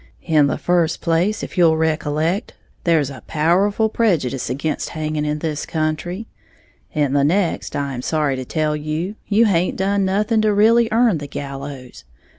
In the first place, if you'll ricollect, there's a powerful prejudyce again' hanging in this country; in the next, I am sorry to tell you you haint done nothing to really earn the gallows.